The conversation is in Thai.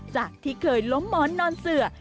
จากที่เคยล้มหมอนนอนเสือ